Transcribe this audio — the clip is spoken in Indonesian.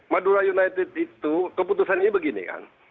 madura united itu keputusan ini begini kan